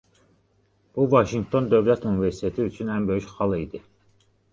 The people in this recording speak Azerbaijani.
Bu Vaşinqton Dövlət Universiteti üçün ən böyük xal idi.